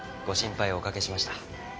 ご心配おかけしました。